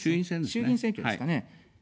衆議院選挙ですかね。